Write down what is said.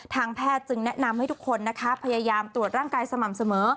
ทางแพทย์จึงแนะนำให้ทุกคนนะคะพยายามตรวจร่างกายสม่ำเสมอ